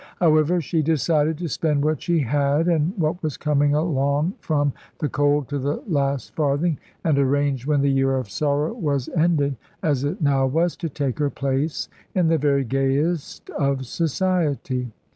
However, she decided to spend what she had and what was coming along from the coal to the last farthing, and arranged when the year of sorrow was ended as it now was to take her place in the very gayest of society.